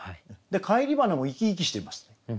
「返り花」も生き生きしていますね。